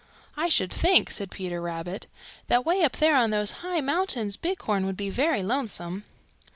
"I should think," said Peter Rabbit, "that way up there on those high mountains Bighorn would be very lonesome."